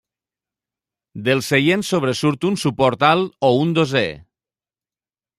Dels seients sobresurt un suport alt o un dosser.